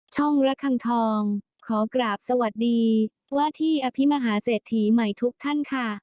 ช่องระคังทองขอกราบสวัสดีว่าที่อภิมหาเศรษฐีใหม่ทุกท่านค่ะ